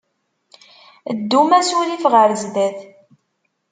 Ddum asurif ɣer sdat.